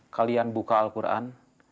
kalian buka al quran